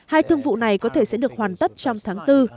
hai thương vụ này có thể sẽ được hoàn tất trong tháng bốn